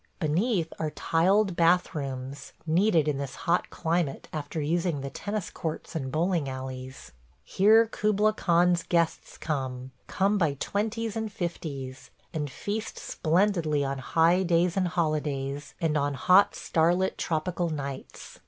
Beneath are tiled bath rooms, needed in this hot climate after using the tennis courts and bowling alleys. Here Kubla Khan's guests come – come by twenties and fifties – and feast splendidly on high days and holidays and on hot star lit tropical nights.